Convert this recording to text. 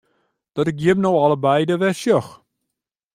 Dat ik jim no allebeide wer sjoch!